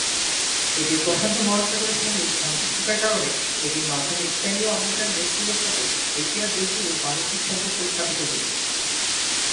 এটির প্রশান্ত মহাসাগরের সংগে সংযোগ থাকার কারণে, এটির মাধ্যমে স্পেনীয় আমেরিকান দেশগুলোর সাথে এশিয়ার দেশ গুলোর বাণিজ্যিক সম্পর্ক স্থাপিত হয়েছে।